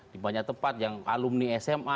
di banyak tempat yang alumni sma